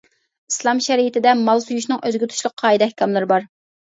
ئىسلام شەرىئىتىدە مال سويۇشنىڭ ئۆزىگە تۇشلۇق قائىدە ئەھكاملىرى بار.